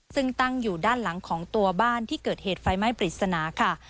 ซึ่งตั้งอยู่ด้านหลังของตัวบ้านที่เกิดเหตุไฟไหม้ปริศนาค่ะ